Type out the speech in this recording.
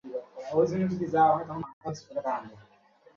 কিন্তু একজন চিকিৎসক পূর্ণাঙ্গ চিকিৎসা দিয়ে তাকে কর্মক্ষম করে তুলতে পারেন।